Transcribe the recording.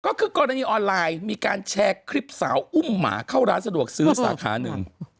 ก็คือกรณีออนไลน์มีการแชร์คลิปสาวอุ้มหมาเข้าร้านสะดวกซื้อสาขาหนึ่ง